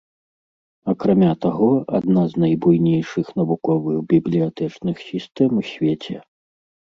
Акрамя таго, адна з найбуйнейшых навуковых бібліятэчных сістэм у свеце.